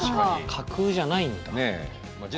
架空じゃないんだ。